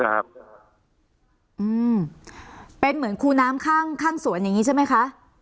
อืมเป็นเหมือนคูน้ำข้างข้างสวนอย่างงี้ใช่ไหมคะ